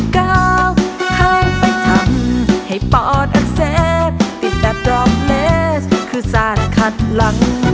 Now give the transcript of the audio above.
เข้าไปทำให้ปลอดอักเสบติดแต่ดรองเลสคือสาดขัดหลัง